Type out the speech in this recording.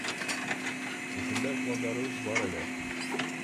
Ушундай пландарыбыз бар эле.